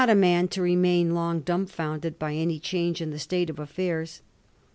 61 a man to remain long dmnbfounded by any change in the state of affairs.